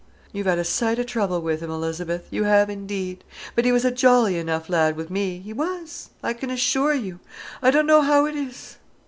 You've had a sight o' trouble with him, Elizabeth, you have indeed. But he was a jolly enough lad wi' me, he was, I can assure you. I don't know how it is...."